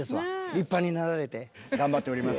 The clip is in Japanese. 立派になられて。頑張っております。